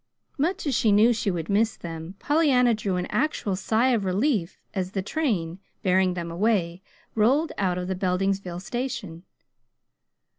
Much as she knew she would miss them, Pollyanna drew an actual sigh of relief as the train bearing them away rolled out of the Beldingsville station.